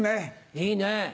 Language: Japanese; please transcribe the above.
いいね。